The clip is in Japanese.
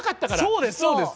そうですそうです。